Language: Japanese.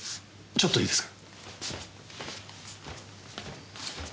ちょっといいですか。